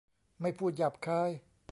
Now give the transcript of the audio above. ไม่พูดหยาบคาย